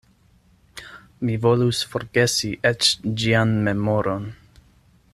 Mi volus forgesi eĉ ĝian memoron.